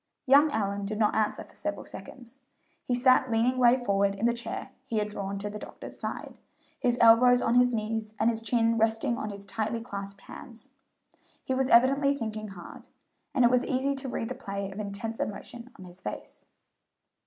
Young Allyn did not answer for several seconds. He sat leaning way forward in the chair he had drawn to the doctor's side, his elbows on his knees and his chin resting on his tightly clasped hands. He was evidently thinking hard, and it was easy to read the play of intense emotion on his face.